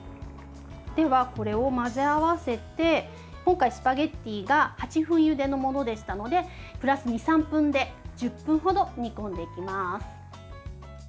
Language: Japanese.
では、これを混ぜ合わせて今回、スパゲッティが８分ゆでのものでしたのでプラス２３分で１０分ほど煮込んでいきます。